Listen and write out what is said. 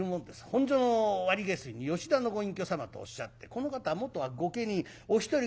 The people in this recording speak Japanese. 本所の割下水に吉田のご隠居様とおっしゃってこの方は元は御家人お一人暮らし。